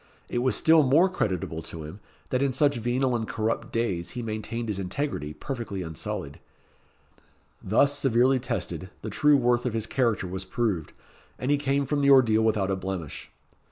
It was still more creditable to him, that in such venal and corrupt days he maintained his integrity perfectly unsullied. Thus severely tested, the true worth of his character was proved, and he came from the ordeal without a blemish.